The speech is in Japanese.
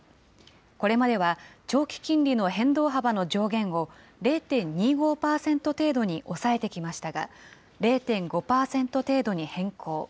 これまでは、長期金利の変動幅の上限を０．２５％程度に抑えてきましたが、０．５％程度に変更。